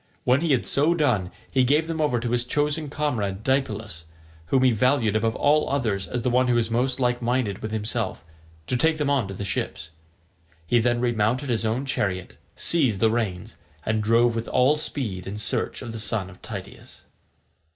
When he had so done he gave them over to his chosen comrade Deipylus, whom he valued above all others as the one who was most like minded with himself, to take them on to the ships. He then remounted his own chariot, seized the reins, and drove with all speed in search of the son of Tydeus.